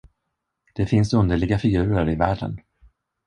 Det finns underliga figurer i världen.